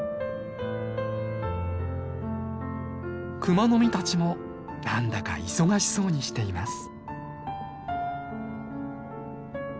クマノミたちもなんだか忙しそうにしています。